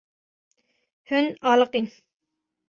Hûn aliqîn.